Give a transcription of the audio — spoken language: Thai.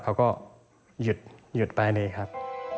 เขาก็หยุดไปเลยครับ